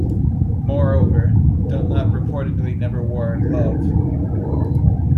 Moreover, Dunlap reportedly never wore a glove.